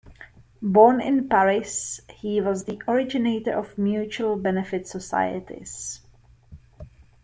Born in Paris, he was the originator of mutual benefit societies.